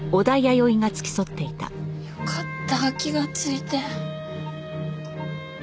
よかった気がついて。